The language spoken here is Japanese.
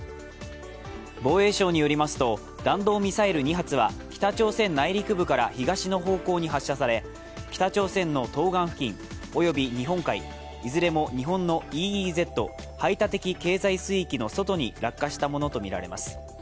防衛省によりますと、弾道ミサイル２発は北朝鮮内陸部から東の方向に発射され北朝鮮の東岸付近および日本海いずれも日本のＥＥＺ＝排他的経済水域の外に落下したものと見られます。